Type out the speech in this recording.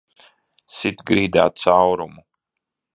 Sit grīdā caurumu!